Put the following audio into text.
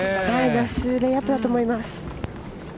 ナイスレイアップだと思います。